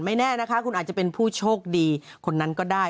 แน่นะคะคุณอาจจะเป็นผู้โชคดีคนนั้นก็ได้